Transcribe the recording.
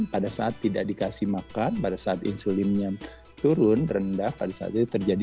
pada saat tidak dikasih makan pada saat insulinnya turun rendah pada saat itu terjadi